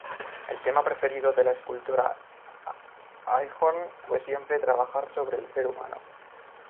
El tema preferido de la escultora Eichhorn, fue siempre trabajar sobre el ser humano.